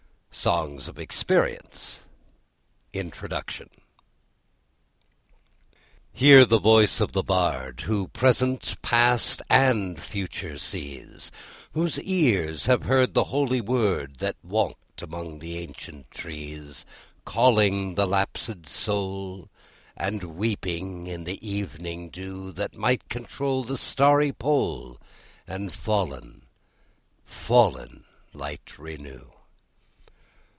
SONGS OF EXPERIENCE INTRODUCTION Hear the voice of the Bard, Who present, past, and future, sees; Whose ears have heard The Holy Word That walked among the ancient trees; Calling the lapséd soul, And weeping in the evening dew; That might control The starry pole, And fallen, fallen light renew!